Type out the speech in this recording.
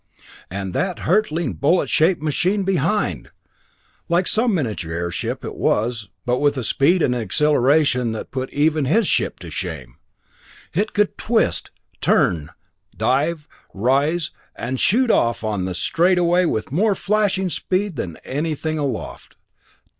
And that hurtling, bullet shaped machine behind! Like some miniature airship it was, but with a speed and an acceleration that put even his ship to shame! It could twist, turn, dive, rise and shoot off on the straight away with more flashing speed than anything aloft.